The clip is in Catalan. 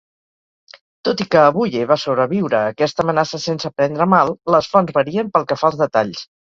Tot i que Abuye va sobreviure a aquesta amenaça sense prendre mal, les fonts varien pel que fa als detalls.